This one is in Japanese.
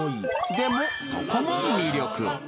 でも、そこも魅力。